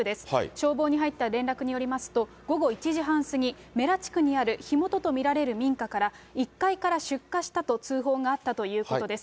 消防に入った連絡によりますと、午後１時半過ぎ、めら地区にある火元と見られる民家から１階から出火したと通報があったということです。